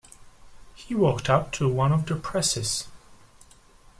He walked up to one of the presses.